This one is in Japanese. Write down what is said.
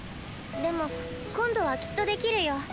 でも今度はきっとできるよ。